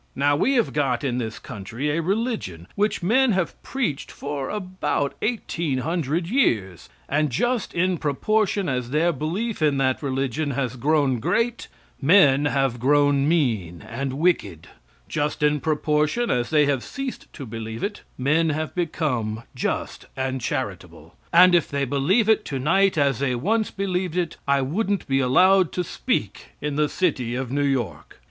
Now, we have got in this country a religion which men have preached for about eighteen hundred years, and just in proportion as their belief in that religion has grown great, men have grown mean and wicked; just in proportion as they have ceased to believe it, men have become just and charitable. And if they believe it to night as they once believed it, I wouldn't be allowed to speak in the city of New York.